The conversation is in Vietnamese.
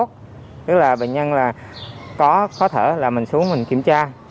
tức là bệnh nhân là có khó thở là mình xuống mình kiểm tra